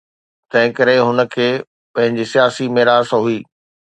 تنهنڪري هن کي پنهنجي سياسي ميراث هئي.